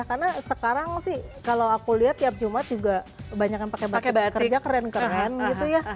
karena sekarang sih kalau aku lihat tiap jumat juga kebanyakan pakai batik kerja keren keren gitu ya